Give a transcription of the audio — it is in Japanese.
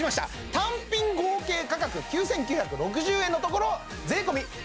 単品合計価格９９６０円のところ税込